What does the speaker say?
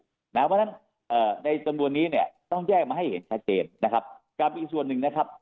เพราะฉะนั้นในจำนวนนี้เนี่ยต้องแยกมาให้เห็นชัดเจนนะครับกับอีกส่วนหนึ่งนะครับ